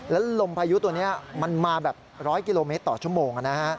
แล้วลมพายุตัวนี้มันมาแบบ๑๐๐กิโลเมตรต่อชั่วโมง